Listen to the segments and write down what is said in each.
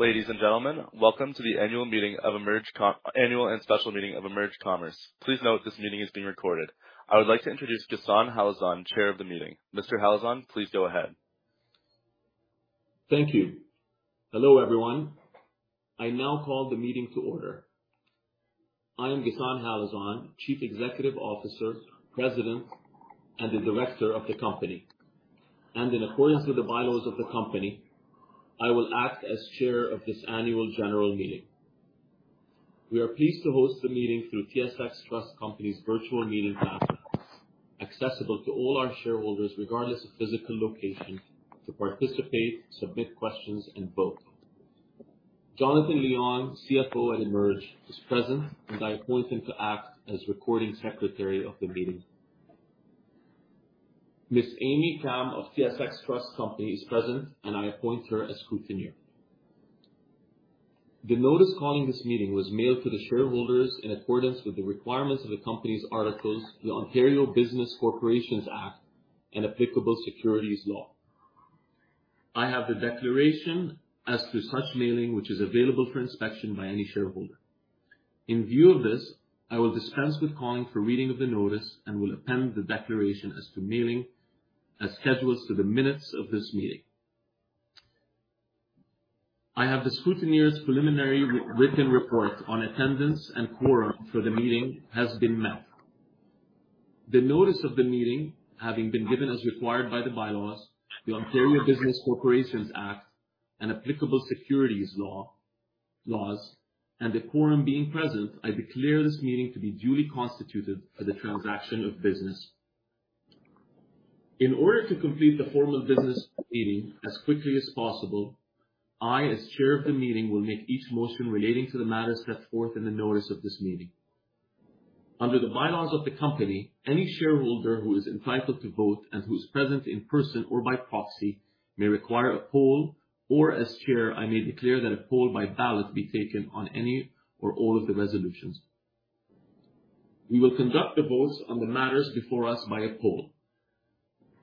Ladies and gentlemen, welcome to the annual and special meeting of EMERGE Commerce. Please note this meeting is being recorded. I would like to introduce Ghassan Halazon, Chair of the meeting. Mr. Halazon, please go ahead. Thank you. Hello, everyone. I now call the meeting to order. I am Ghassan Halazon, Chief Executive Officer, President, and Director of the company. In accordance with the bylaws of the company, I will act as Chair of this annual general meeting. We are pleased to host the meeting through TSX Trust Company's virtual meeting platform, accessible to all our shareholders, regardless of physical location, to participate, submit questions, and vote. Jonathan Leong, CFO at EMERGE, is present, and I appoint him to act as recording secretary of the meeting. Ms. Amy Tam of TSX Trust Company is present, and I appoint her as scrutineer. The notice calling this meeting was mailed to the shareholders in accordance with the requirements of the company's articles, the Ontario Business Corporations Act, and applicable securities law. I have the declaration as to such mailing, which is available for inspection by any shareholder. In view of this, I will dispense with calling for reading of the notice and will append the declaration as to mailing as schedules to the minutes of this meeting. I have the scrutineer's preliminary written report on attendance, and quorum for the meeting has been met. The notice of the meeting, having been given as required by the bylaws, the Ontario Business Corporations Act, and applicable securities law, and the quorum being present, I declare this meeting to be duly constituted for the transaction of business. In order to complete the formal business meeting as quickly as possible, I, as chair of the meeting, will make each motion relating to the matters set forth in the notice of this meeting. Under the bylaws of the company, any shareholder who is entitled to vote and who's present in person or by proxy may require a poll, or as chair, I may declare that a poll by ballot be taken on any or all of the resolutions. We will conduct the votes on the matters before us by a poll.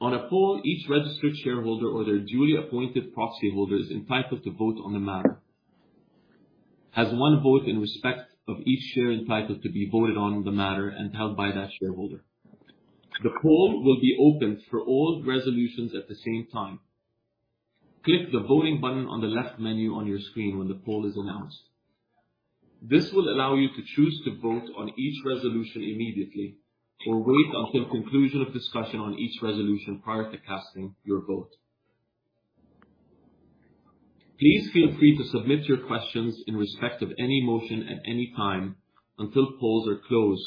On a poll, each registered shareholder or their duly appointed proxyholder is entitled to vote on the matter, has one vote in respect of each share entitled to be voted on the matter and held by that shareholder. The poll will be open for all resolutions at the same time. Click the Voting button on the left menu on your screen when the poll is announced. This will allow you to choose to vote on each resolution immediately or wait until conclusion of discussion on each resolution prior to casting your vote. Please feel free to submit your questions in respect of any motion at any time until polls are closed.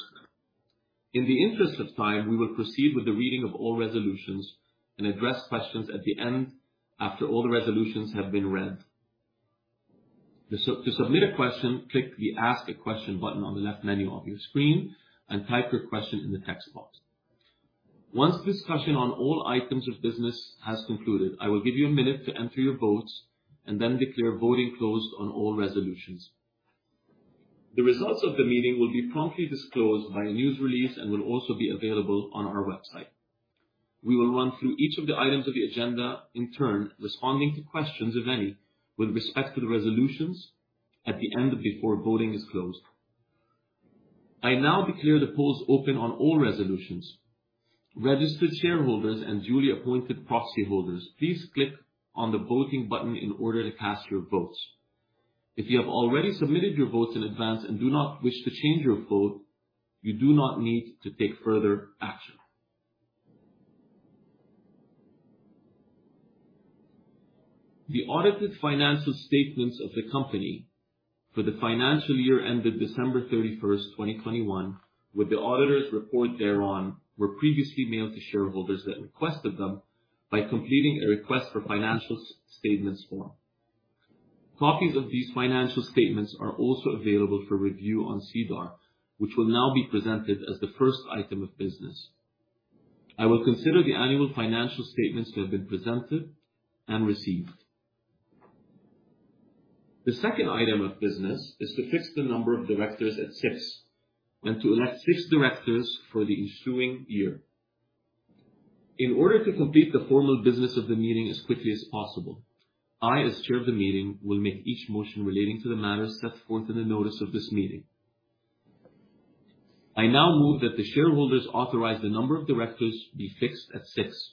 In the interest of time, we will proceed with the reading of all resolutions and address questions at the end after all the resolutions have been read. To submit a question, click the Ask a Question button on the left menu of your screen and type your question in the text box. Once discussion on all items of business has concluded, I will give you a minute to enter your votes and then declare voting closed on all resolutions. The results of the meeting will be promptly disclosed by a news release and will also be available on our website. We will run through each of the items of the agenda in turn, responding to questions, if any, with respect to the resolutions at the end before voting is closed. I now declare the polls open on all resolutions. Registered shareholders and duly appointed proxyholders, please click on the Voting button in order to cast your votes. If you have already submitted your votes in advance and do not wish to change your vote, you do not need to take further action. The audited financial statements of the company for the financial year ended December 31, 2021, with the auditor's report thereon, were previously mailed to shareholders that requested them by completing a Request for Financial Statements form. Copies of these financial statements are also available for review on SEDAR, which will now be presented as the first item of business. I will consider the annual financial statements to have been presented and received. The second item of business is to fix the number of directors at six and to elect six directors for the ensuing year. In order to complete the formal business of the meeting as quickly as possible, I, as chair of the meeting, will make each motion relating to the matters set forth in the notice of this meeting. I now move that the shareholders authorize the number of directors be fixed at six.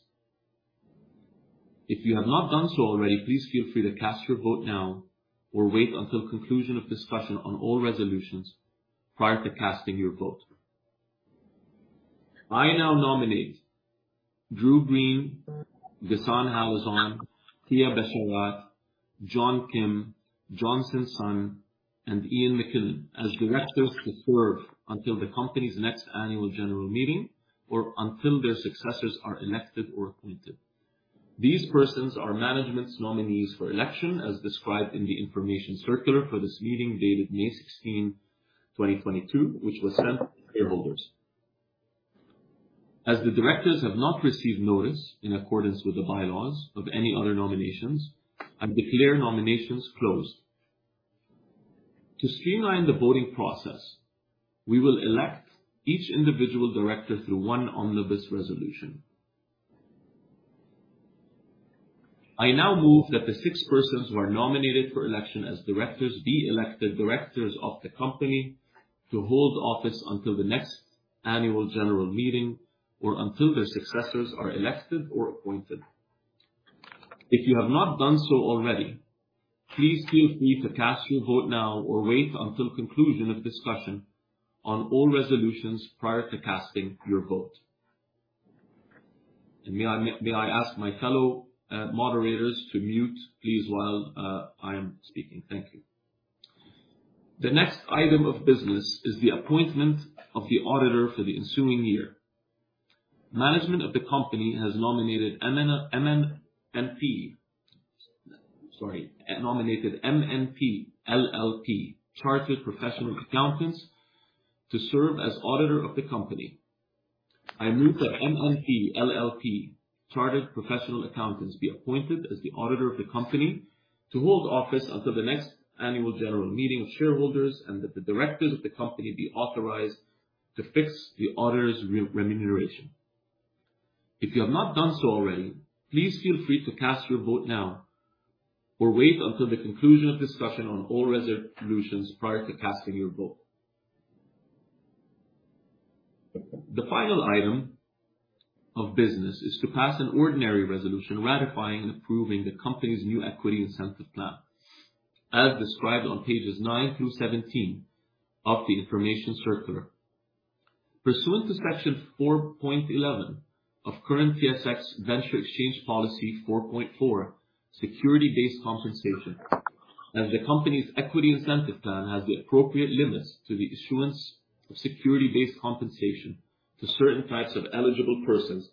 If you have not done so already, please feel free to cast your vote now or wait until conclusion of discussion on all resolutions prior to casting your vote. I now nominate Drew Green, Ghassan Halazon, Kia Besharat, John Kim, Jonson Sun, and Ian McKinnon as directors to serve until the company's next annual general meeting or until their successors are elected or appointed. These persons are management's nominees for election, as described in the information circular for this meeting dated May 16, 2022, which was sent to shareholders. As the directors have not received notice in accordance with the bylaws of any other nominations, I declare nominations closed. To streamline the voting process, we will elect each individual director through one omnibus resolution. I now move that the six persons who are nominated for election as directors be elected directors of the company to hold office until the next annual general meeting or until their successors are elected or appointed. If you have not done so already, please feel free to cast your vote now or wait until conclusion of discussion on all resolutions prior to casting your vote. May I ask my fellow moderators to mute, please, while I am speaking. Thank you. The next item of business is the appointment of the auditor for the ensuing year. Management of the company has nominated MNP. Nominated MNP LLP chartered professional accountants to serve as auditor of the company. I move that MNP LLP chartered professional accountants be appointed as the auditor of the company to hold office until the next annual general meeting of shareholders, and that the directors of the company be authorized to fix the auditor's remuneration. If you have not done so already, please feel free to cast your vote now, or wait until the conclusion of discussion on all resolutions prior to casting your vote. The final item of business is to pass an ordinary resolution ratifying and approving the company's new equity incentive plan, as described on pages nine through 17 of the information circular. Pursuant to Section 4.11 of current TSX Venture Exchange Policy 4.4, security-based compensation. As the company's equity incentive plan has the appropriate limits to the issuance of security-based compensation to certain types of eligible persons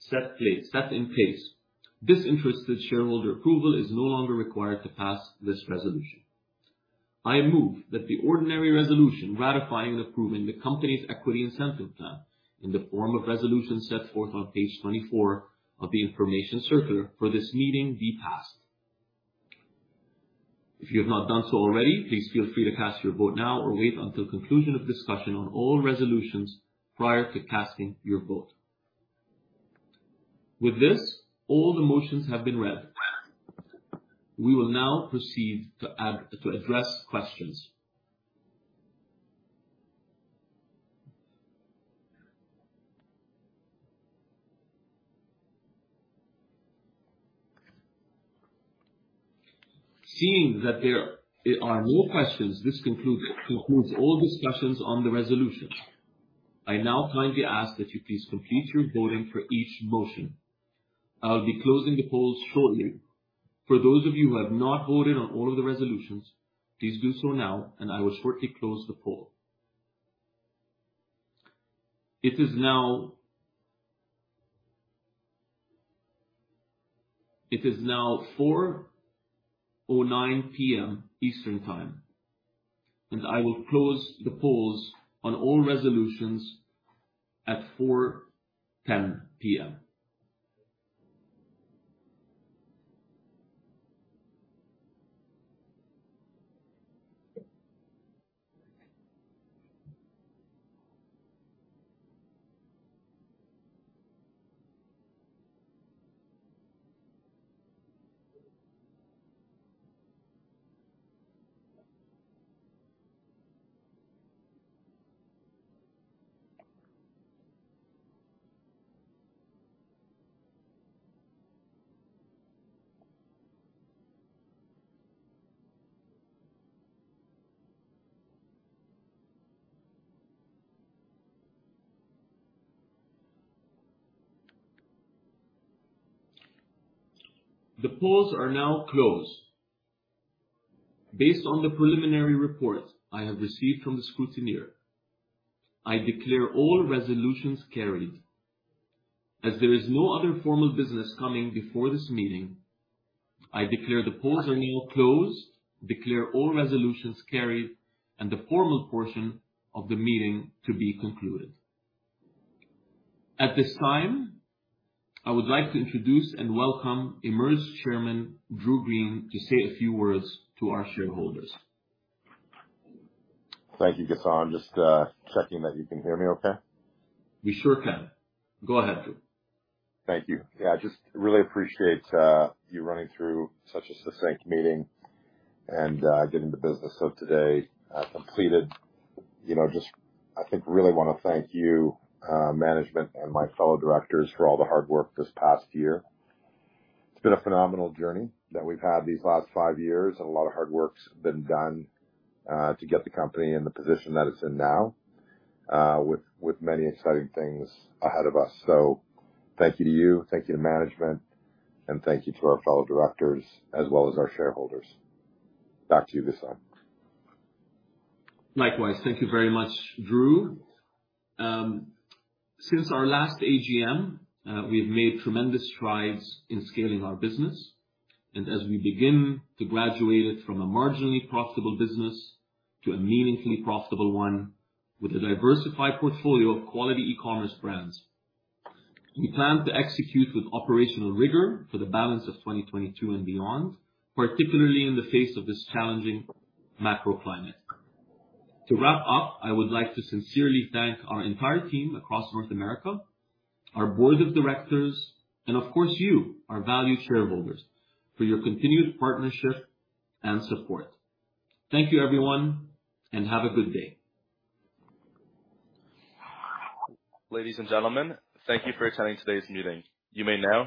set in place, disinterested shareholder approval is no longer required to pass this resolution. I move that the ordinary resolution ratifying and approving the company's equity incentive plan in the form of resolution set forth on page 24 of the information circular for this meeting be passed. If you have not done so already, please feel free to cast your vote now or wait until conclusion of discussion on all resolutions prior to casting your vote. With this, all the motions have been read. We will now proceed to address questions. Seeing that there are no questions, this concludes all discussions on the resolution. I now kindly ask that you please complete your voting for each motion. I'll be closing the polls shortly. For those of you who have not voted on all of the resolutions, please do so now, and I will shortly close the poll. It is now 4:09 PM Eastern time, and I will close the polls on all resolutions at 4:10 PM. The polls are now closed. Based on the preliminary report I have received from the scrutineer, I declare all resolutions carried. As there is no other formal business coming before this meeting, I declare the polls are now closed, declare all resolutions carried, and the formal portion of the meeting to be concluded. At this time, I would like to introduce and welcome EMERGE Chairman Drew Green to say a few words to our shareholders. Thank you, Ghassan. Just checking that you can hear me okay. We sure can. Go ahead, Drew. Thank you. Yeah, I just really appreciate you running through such a succinct meeting and getting the business of today completed. You know, just, I think, really wanna thank you management and my fellow directors for all the hard work this past year. It's been a phenomenal journey that we've had these last five years. A lot of hard work's been done to get the company in the position that it's in now with many exciting things ahead of us. So thank you to you, thank you to management, and thank you to our fellow directors as well as our shareholders. Back to you, Ghassan. Likewise. Thank you very much, Drew. Since our last AGM, we have made tremendous strides in scaling our business. As we begin to graduate it from a marginally profitable business to a meaningfully profitable one with a diversified portfolio of quality e-commerce brands, we plan to execute with operational rigor for the balance of 2022 and beyond, particularly in the face of this challenging macro climate. To wrap up, I would like to sincerely thank our entire team across North America, our Board of Directors, and of course you, our valued shareholders, for your continued partnership and support. Thank you, everyone, and have a good day. Ladies and gentlemen, thank you for attending today's meeting. You may now disconnect.